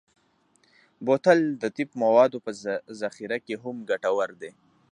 بوتل د طب موادو په ذخیره کې هم ګټور دی.